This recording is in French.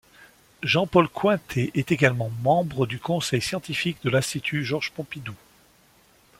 Jean-Paul Cointet est également membre du conseil scientifique de l'Institut Georges-Pompidou.